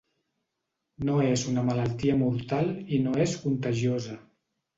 No és una malaltia mortal i no és contagiosa.